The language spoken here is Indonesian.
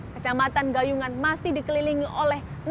kecamatan gayungan masih dikelilingi oleh